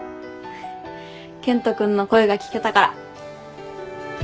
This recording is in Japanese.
健人君の声が聞けたから。